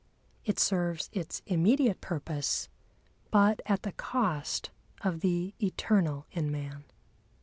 It serves its immediate purpose, but at the cost of the eternal in man.